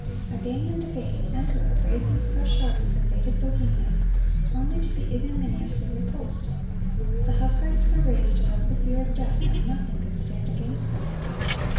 Again and again the emperor, raising fresh armies, invaded Bohemia, only to be ignominiously repulsed. The Hussites were raised above the fear of death, and nothing could stand against them.